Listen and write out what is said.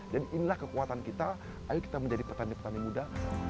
jadi inilah kekuatan kita ayo kita menjadi petani petani muda